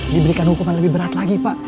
diberikan hukuman lebih berat lagi pak